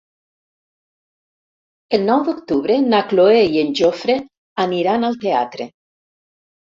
El nou d'octubre na Cloè i en Jofre aniran al teatre.